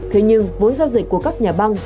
thế nhưng vốn giao dịch của các nhà băng